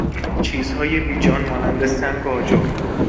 چیزهای بیجان مانند سنگ و آجر